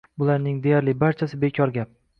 Bularning deyarli barchasi bekor gap